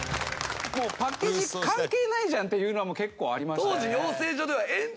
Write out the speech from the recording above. もうパッケージ関係ないじゃんっていうのは結構ありましたよね。